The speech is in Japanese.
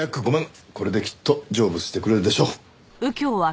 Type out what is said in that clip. これできっと成仏してくれるでしょう。